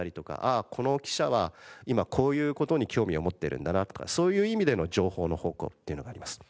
あこの記者は今こういう事に興味を持ってるんだなとかそういう意味での情報の宝庫っていうのがあります。